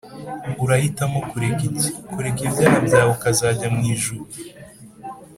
Urahitamo kureka iki? Kureka ibyaha byawe ukazajya mu ijuru